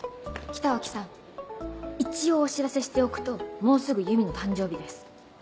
一応お知らせしておくともうすぐゆみの誕生日です。